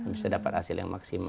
bisa dapat hasil yang maksimal